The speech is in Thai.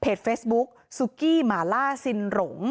เฟซบุ๊กซุกี้หมาล่าซินหลง